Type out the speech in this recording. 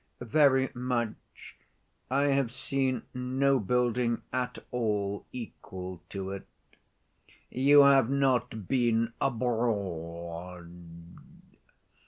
"Very much; I have seen no building at all equal to it." "You have not been abroad.